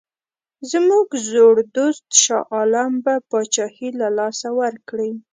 زموږ زوړ دوست شاه عالم به پاچهي له لاسه ورکړي.